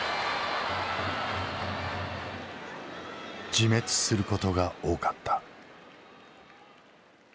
自滅することが多かった。